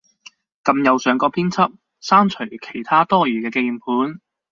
撳右上角編輯，刪除其它多餘嘅鍵盤